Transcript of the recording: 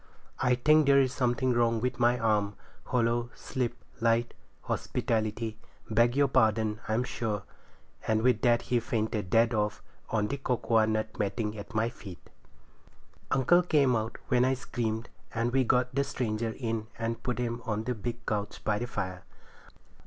I think there is something wrong with my arm—hollow—slip—light—hospitality beg your pardon, I'm sure,' and with that he fainted dead off on the cocoanut matting at my feet. Uncle came out when I screamed, and we got the stranger in and put him on the big couch by the fire.